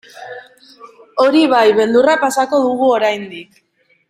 Hori bai, beldurra pasako dugu oraindik.